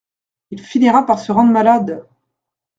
Il finira par se rendre malade !…